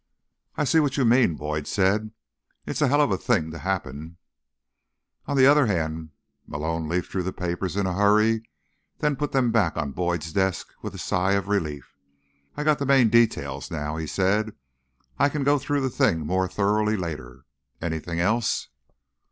"I see what you mean," Boyd said. "It is a hell of a thing to happen." "On the other hand—" Malone leafed through the papers in a hurry, then put them back on Boyd's desk with a sigh of relief. "I've got the main details now," he said. "I can go through the thing more thoroughly later. Anything else?"